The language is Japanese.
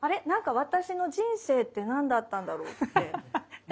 何か私の人生って何だったんだろうって。